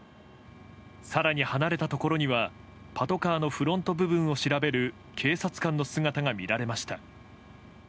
更に離れたところにはパトカーのフロント部分を調べる警察官の姿が見られました。